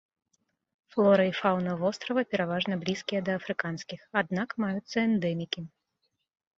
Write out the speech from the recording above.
Флора і фаўна вострава пераважна блізкія да афрыканскіх, аднак маюцца эндэмікі.